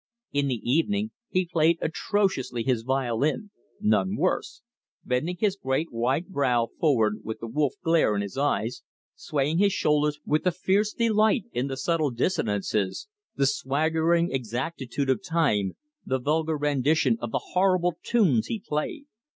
In the evening he played atrociously his violin none worse bending his great white brow forward with the wolf glare in his eyes, swaying his shoulders with a fierce delight in the subtle dissonances, the swaggering exactitude of time, the vulgar rendition of the horrible tunes he played.